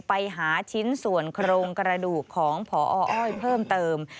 ไปหาชิ้นส่วนโครงกระดูกของพออ้อยเพิ่มเติม